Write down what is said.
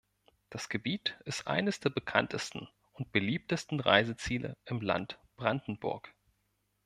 Das Gebiet ist eines der bekanntesten und beliebtesten Reiseziele im Land Brandenburg.